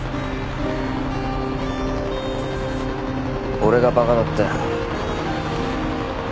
俺がバカだったよ。